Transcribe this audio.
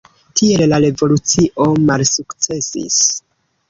Tiel la revolucio malsukcesis.